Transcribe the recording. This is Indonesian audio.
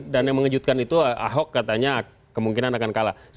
dan yang mengejutkan itu ahok katanya kemungkinan akan kalah